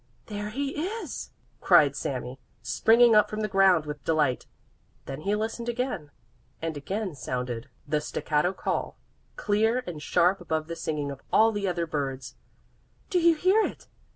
"There he is," cried Sami, springing up from the ground with delight. Then he listened again, and again sounded the staccato call, clear and sharp above the singing of all the other birds. "Do you hear it?